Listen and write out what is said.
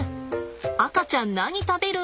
赤ちゃん何食べる？